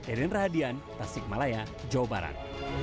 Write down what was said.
erin rahadian tasik malaya jawa barat